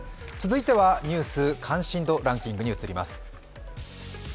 続いてはニュース関心度ランキングに移ります。